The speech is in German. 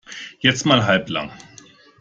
Jetzt mal halblang!